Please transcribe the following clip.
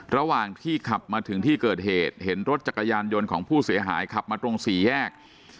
ระหว่างที่ขับมาถึงที่เกิดเหตุเห็นรถจักรยานยนต์ของผู้เสียหายขับมาตรงสี่แยก